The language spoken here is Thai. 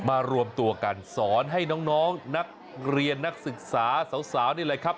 รวมตัวกันสอนให้น้องนักเรียนนักศึกษาสาวนี่แหละครับ